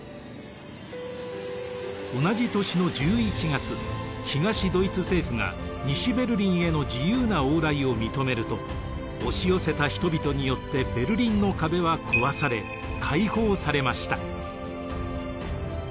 同じ年の１１月東ドイツ政府が西ベルリンへの自由な往来を認めると押し寄せた人々によってベルリンの壁は壊され開放されました。